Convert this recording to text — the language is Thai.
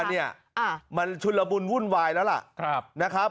อันนี้มันชุนละบุญวุ่นวายแล้วล่ะครับ